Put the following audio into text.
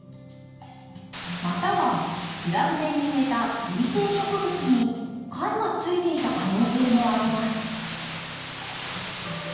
またはプラ舟に植えた水生植物に貝がついていた可能性もあります。